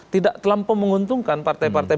tidak terlampau menguntungkan partai partai